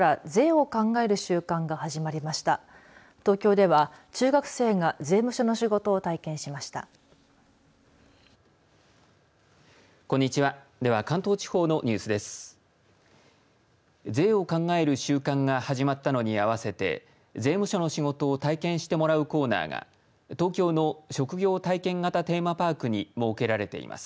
税を考える週間が始まったのに合わせて税務署の仕事を体験してもらうコーナーが東京の職業体験型テーマパークに設けられています。